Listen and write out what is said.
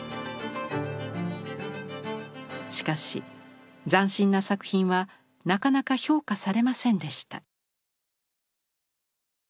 しかし斬新な作品はなかなか評価されませんでした。